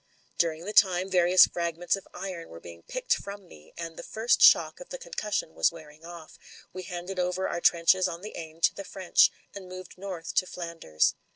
During the time various fragments of iron were being picked from me and the first shock of the con cussion was wearing off, we had handed over our trenches on the Aisne to the French, and moved north to Flanders.